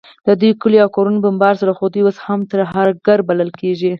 د دوی کلي او کورونه بمبار سول، خو دوی اوس هم ترهګر بلل کیږي